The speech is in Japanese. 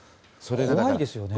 怖いですよね。